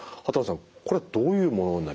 これどういうものになりますか？